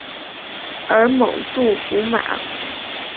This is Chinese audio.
而蒙杜古马。